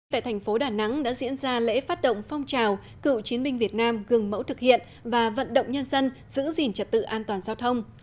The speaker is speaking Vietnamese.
tại thành phố đà nẵng đã diễn ra lễ phát động phong trào cựu chiến binh việt nam gừng mẫu thực hiện và vận động nhân dân giữ gìn trật tự an toàn giao thông